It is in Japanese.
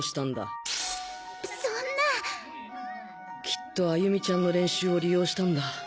きっと歩美ちゃんの練習を利用したんだ。